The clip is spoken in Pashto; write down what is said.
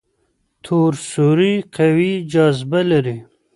تور سوري قوي جاذبه لري.